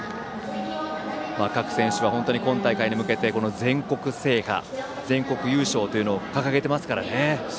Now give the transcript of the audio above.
各選手が今大会に向けて全国制覇、全国優勝を掲げていますからね。